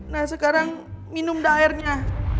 nah sekarang minum dah airnya